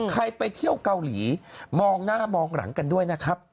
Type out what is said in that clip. ไปเที่ยวเกาหลีมองหน้ามองหลังกันด้วยนะครับ